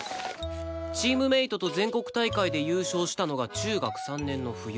チームメートと全国大会で優勝したのが中学３年の冬